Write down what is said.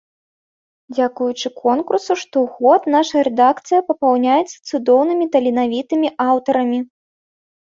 Дзякуючы конкурсу штогод наша рэдакцыя папаўняецца цудоўнымі таленавітымі аўтарамі.